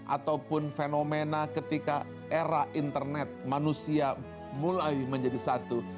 ataupun fenomena ketika era internet manusia mulai menjadi satu